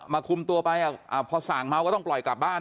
คุมตัวไปพอสั่งเมาก็ต้องปล่อยกลับบ้าน